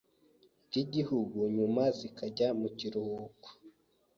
rw’ igihugu, nyuma zikajya mukiruhuko.